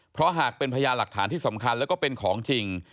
เพราะหากเป็นพยานหลักฐานที่สำคัญแล้วก็เป็นของจริง